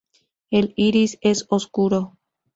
El iris es oscuro.